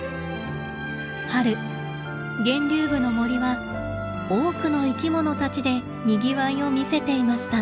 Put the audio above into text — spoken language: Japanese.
春源流部の森は多くの生きものたちでにぎわいを見せていました。